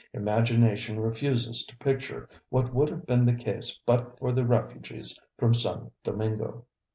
Imagination refuses to picture what would have been the case but for the refugees from San Domingo.